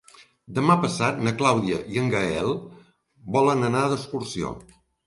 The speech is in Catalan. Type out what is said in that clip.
Demà passat na Clàudia i en Gaël volen anar d'excursió.